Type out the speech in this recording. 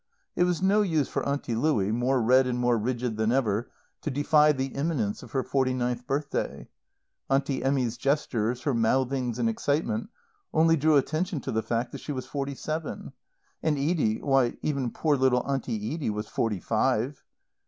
It was no use for Auntie Louie, more red and more rigid than ever, to defy the imminence of her forty ninth birthday. Auntie Emmy's gestures, her mouthings and excitement, only drew attention to the fact that she was forty seven. And Edie, why, even poor little Auntie Edie was forty five.